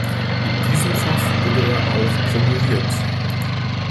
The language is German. In diesem Fach wurde er auch promoviert.